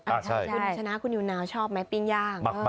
คุณชนะคุณนิวนาวชอบไหมปิ้งย่าง